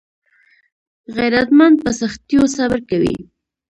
غیرتمند په سختیو صبر کوي